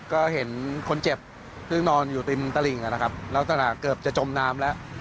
ก็เห็นคนเจ็บซึ่งนอนอยู่ริมตลิ่งนะครับลักษณะเกือบจะจมน้ำแล้ว